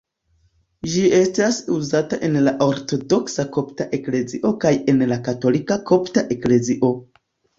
Ĝi estas uzata en la Ortodoksa Kopta Eklezio kaj en la Katolika Kopta Eklezio.